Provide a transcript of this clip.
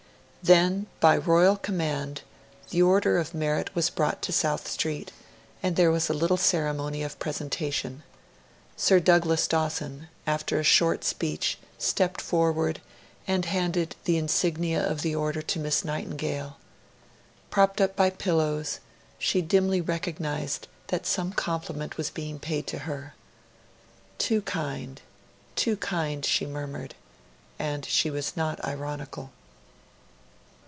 Then, by Royal command, the Order of Merit was brought to South Street, and there was a little ceremony of presentation. Sir Douglas Dawson, after a short speech, stepped forward, and handed the insignia of the Order to Miss Nightingale. Propped up by pillows, she dimly recognised that some compliment was being paid her. 'Too kind too kind,' she murmured; and she was not ironical.